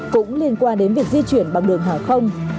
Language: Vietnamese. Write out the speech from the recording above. cũng liên quan đến việc di chuyển bằng đường hàng không